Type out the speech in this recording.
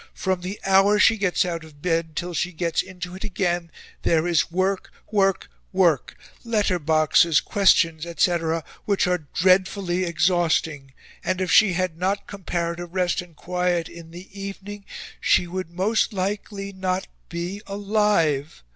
From the hour she gets out of bed till she gets into it again there is work, work, work, letter boxes, questions, etc., which are dreadfully exhausting and if she had not comparative rest and quiet in the evening she would most likely not be ALIVE.